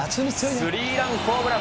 スリーランホームラン。